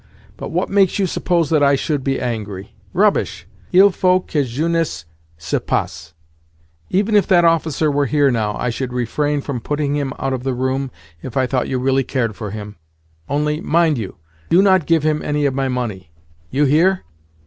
But what makes you suppose that I should be angry? Rubbish! Il faut que jeunesse se passe. Even if that officer were here now, I should refrain from putting him out of the room if I thought you really cared for him. Only, mind you, do not give him any of my money. You hear?"